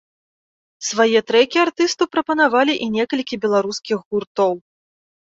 Свае трэкі артысту прапанавалі і некалькі беларускіх гуртоў.